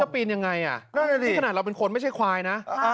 ปีนยังไงนี่ขนาดเราเป็นคนไม่ใช่ควายนะ